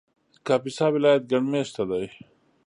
کاپیسا ولایت ګڼ مېشته دی